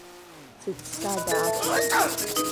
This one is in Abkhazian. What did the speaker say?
Дзыццада акәым…